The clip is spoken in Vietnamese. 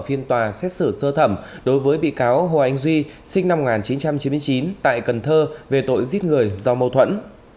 phiên tòa xét xử sơ thẩm đối với bị cáo hồ anh duy sinh năm một nghìn chín trăm chín mươi chín tại cần thơ về tội giết người do mâu thuẫn